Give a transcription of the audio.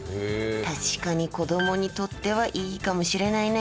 確かに子どもにとってはいいかもしれないね。